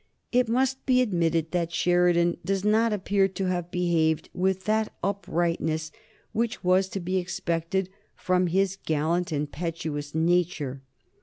It must be admitted that Sheridan does not appear to have behaved with that uprightness which was to be expected from his gallant, impetuous nature.